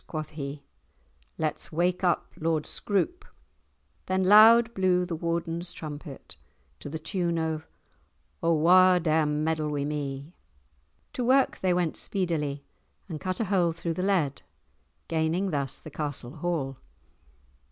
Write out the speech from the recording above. quoth he; "let's wake up Lord Scroope!" Then loud blew the Warden's trumpet to the tune of "O wha dare meddle wi' me?" To work they went speedily, and cut a hole through the lead, gaining thus the castle hall.